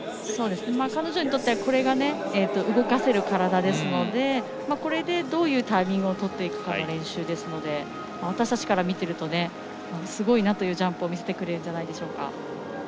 彼女にとってはこれが動かせるからですのでこれで、どういうタイミングをとっていくかの練習ですので私たちから見てるとすごいなというジャンプを見せてくれるんじゃないでしょうか。